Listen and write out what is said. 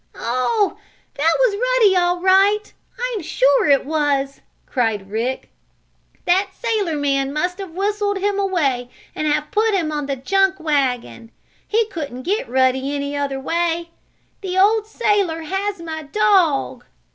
"Oh, that was Ruddy all right! I'm sure it was!" cried Rick. "That sailor man must have whistled him away and have put him on the junk wagon. He couldn't get Ruddy any other way. The old sailor has my dog!"